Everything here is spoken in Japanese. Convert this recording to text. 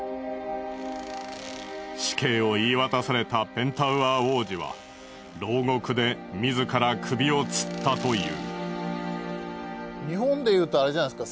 死刑を言い渡されたペンタウアー王子は牢獄で自ら首を吊ったという。